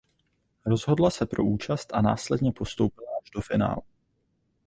Rozhodla se pro účast a následně postoupila až do finále.